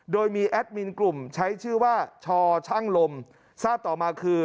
โดยมีแอดมินกลุ่มใช้ชื่อว่าชอช่างลมทราบต่อมาคือ